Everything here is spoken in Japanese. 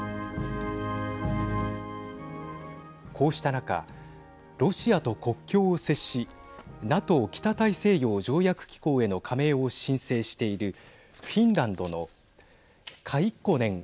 こうした中ロシアと国境を接しＮＡＴＯ＝北大西洋条約機構への加盟を申請しているフィンランドのカイッコネン